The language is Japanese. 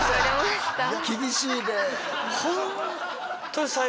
厳しいね。